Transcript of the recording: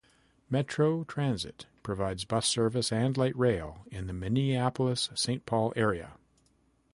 Metro Transit provides bus service and light rail in the Minneapolis-Saint Paul area.